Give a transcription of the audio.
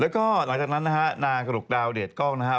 แล้วก็หลังจากนั้นนะฮะนางกระหกดาวเดชกล้องนะฮะ